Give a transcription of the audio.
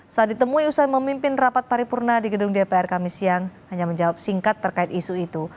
saat ditemui usai memimpin rapat paripurna di gedung dpr kami siang hanya menjawab singkat terkait isu itu